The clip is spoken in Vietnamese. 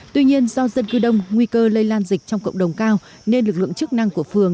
tuy nhiên do dân cư đông nguy cơ lây lan dịch trong cộng đồng cao nên lực lượng chức năng của phường